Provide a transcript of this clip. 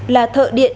là thợ điện